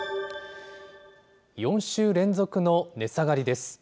４週連続の値下がりです。